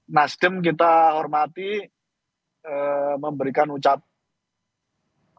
nasdem kita hormati memberikan ucapan